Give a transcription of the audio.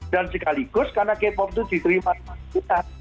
dan sekaligus karena k pop itu diterima dari kita